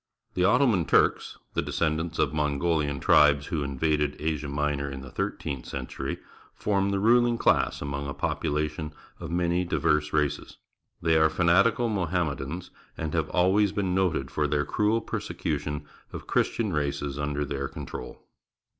The Ottoman Turks, the descendants of Mongohan tribes who invaded Asia Minor in the^thirteenth century, form the ruHng class among a population of many diverse races. They are fanatical Mohammedans and have always been noted for their cruel persecution of Christian races under their control.